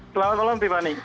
selamat malam pipani